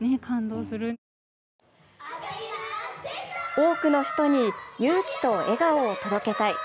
多くの人に勇気と笑顔を届けたい。